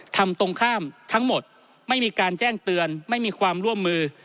ตรงข้ามทั้งหมดไม่มีการแจ้งเตือนไม่มีความร่วมมือ